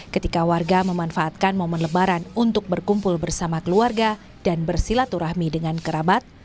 ketika warga memanfaatkan momen lebaran untuk berkumpul bersama keluarga dan bersilaturahmi dengan kerabat